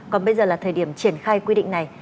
còn bây giờ là thời điểm triển khai quy định này